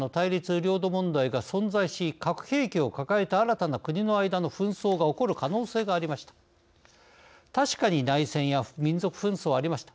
領土問題が存在し核兵器を抱えた新たな国の間の紛争が起こる可能性がありました。